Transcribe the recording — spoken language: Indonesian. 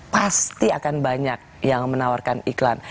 pasti akan banyak yang menawarkan iklan